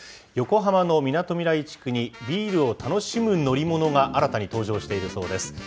横浜のみなとみらい地区にビールを楽しむ乗り物が新たに登場しているそうです。